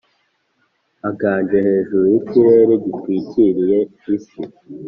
Aganje hejuru y’ikirere gitwikiriye isi,